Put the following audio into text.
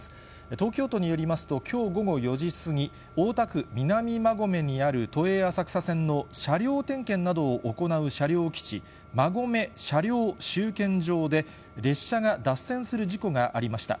東京都によりますと、きょう午後４時過ぎ、大田区南馬込にある都営浅草線の車両点検などを行う車両基地、馬込車両しゅうけんじょうで列車が脱線する事故がありました。